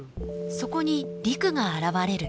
そこに陸が現れる。